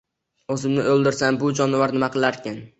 O`zimni o`ldirsam, bu jonivor nima qilarkin